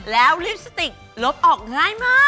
แล้วลิปสติกลบออกไงมา